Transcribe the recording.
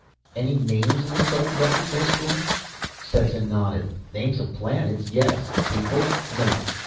"Any names in these old records?" asked Orne. Stetson nodded. "Names of planets, yes. People, no.